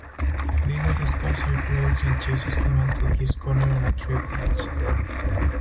Lila discards her clothes and chases him until he's cornered on a tree branch.